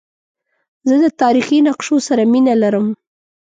زه د تاریخي نقشو سره مینه لرم.